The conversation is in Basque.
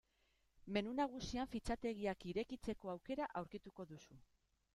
Menu nagusian fitxategiak irekitzeko aukera aurkituko duzu.